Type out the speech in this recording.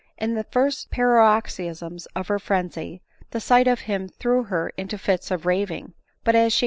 In the first paroxysms of her frenzy, the sight of him threw hes into fits of raving ; but as she.